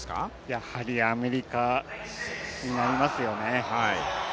やはりアメリカになりますよね。